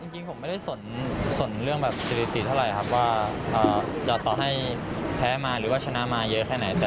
จริงผมไม่ได้สนเรื่องแบบสถิติเท่าไหร่ครับว่าจะต่อให้แพ้มาหรือว่าชนะมาเยอะแค่ไหน